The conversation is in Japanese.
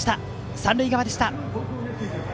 三塁側でした。